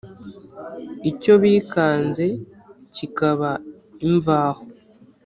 Icyo bikanze kikaba imvaho,